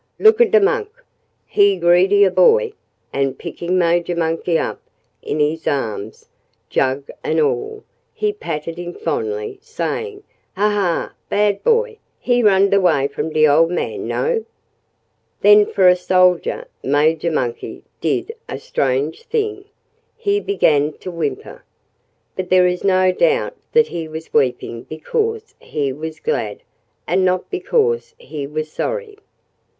"Look a da monk! He greed a boy!" And picking Major Monkey up in his arms, jug and all, he patted him fondly, saying, "Ah a! Bad a boy! He run a da way from da ol' man, no?" Then for a soldier Major Monkey did a strange thing. He began to whimper. But there is no doubt that he was weeping because he was glad, and not because he was sorry.